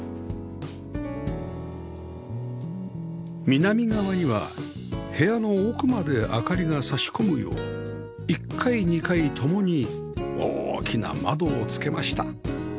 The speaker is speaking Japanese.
南側には部屋の奥まで明かりが差し込むよう１階２階ともに大きな窓をつけました